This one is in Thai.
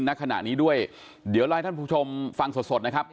ณขณะนี้ด้วยเดี๋ยวเล่าให้ท่านผู้ชมฟังสดสดนะครับ